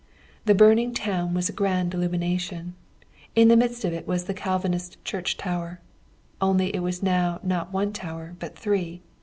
The burning town was a grand illumination; in the midst of it was the Calvinist church tower only it was now not one tower, but three.